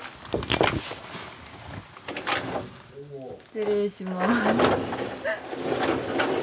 失礼します。